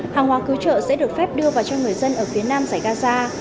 hàng hóa cứu trợ sẽ được phép đưa vào giải gaza